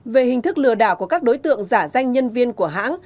về hình thức lừa đảo của các đối tượng giả danh nhân viên của hãng